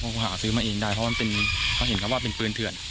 ใช่ครับเขาหาซื้อไว้เองได้เพราะเขาเห็นเขาว่าเป็นปืนเถื่อน